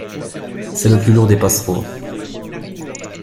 C'est le plus lourd des passereaux.